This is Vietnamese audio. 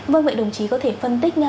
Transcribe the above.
vâng vậy đồng chí có thể phân tích nha